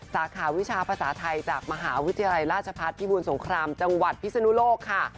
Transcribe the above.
สาขาวิชาภาษาไทยจากมหาวิทยาลัยราชพัฒน์พิบูรสงครามจังหวัดพิศนุโลกค่ะ